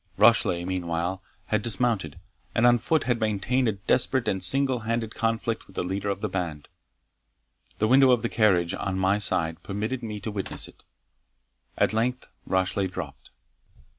Rashleigh, meanwhile, had dismounted, and on foot had maintained a desperate and single handed conflict with the leader of the band. The window of the carriage, on my side, permitted me to witness it. At length Rashleigh dropped.